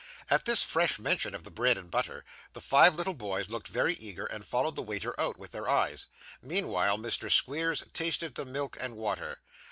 At this fresh mention of the bread and butter, the five little boys looked very eager, and followed the waiter out, with their eyes; meanwhile Mr. Squeers tasted the milk and water.